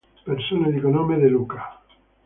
Persone di cognome De Luca